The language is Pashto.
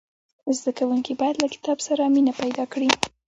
زدهکوونکي باید له کتاب سره مینه پیدا کړي.